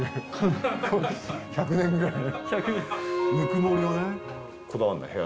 １００年ぐらい。